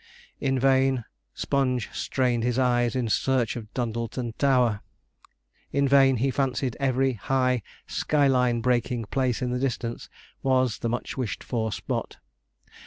In vain Sponge strained his eyes in search of Dundleton Tower. In vain he fancied every high, sky line breaking place in the distance was the much wished for spot.